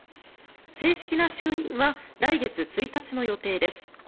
正式な就任は来月１日の予定です。